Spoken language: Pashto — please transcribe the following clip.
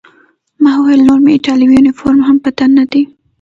ما وویل: نور مې ایټالوي یونیفورم هم په تن نه دی.